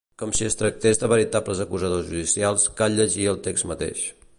Com si es tractés de veritables acusadors judicials, cal llegir el text mateix.